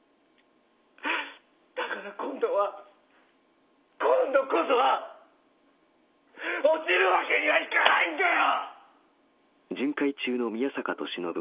だから今度は今度こそは！落ちるわけにはいかないんだよ！